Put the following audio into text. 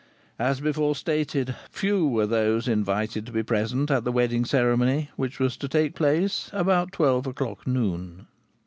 As before stated few were those invited to be present at the wedding ceremony, which was to take place about twelve o'clock noon.